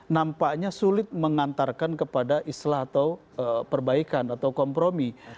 nampaknya sulit mengantarkan kepada islah atau perbaikan atau kompromi